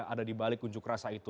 ada dibalik unjuk rasa itu